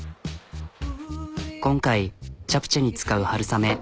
今回チャプチェに使う春雨。